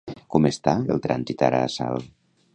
Com està el trànsit ara a Salt?